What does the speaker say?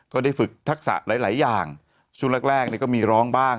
ก็ได้ฝึกทักษะหลายอย่างช่วงแรกก็มีร้องบ้าง